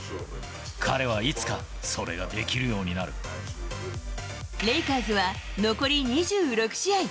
彼はいつか、それができるようにレイカーズは残り２６試合。